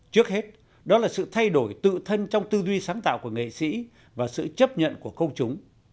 trước hết đó là sự thay đổi tự thân trong tư duy sáng tạo của nghệ sĩ và sự chấp nhận của công chúng